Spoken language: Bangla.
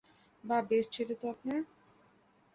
বাঃ বেশ ছেলে তো আপনার?